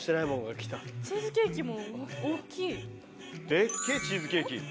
でっけえチーズケーキ。